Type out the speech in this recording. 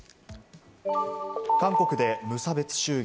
韓国で無差別襲撃。